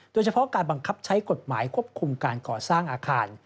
โดยเฉพาะการบังคับใช้กฎหมายควบคุมการก่อสร้างอาคาร